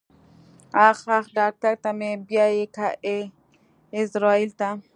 اخ اخ ډاکټر ته مې بيايې که ايزرايل ته.